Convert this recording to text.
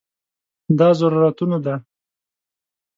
دا ضرورتونو ده.